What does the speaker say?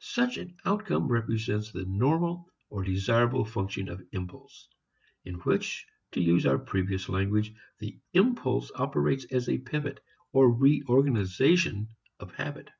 Such an outcome represents the normal or desirable functioning of impulse; in which, to use our previous language, the impulse operates as a pivot, or reorganization of habit.